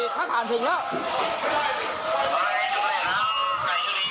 ถ้าถามถึงแล้ว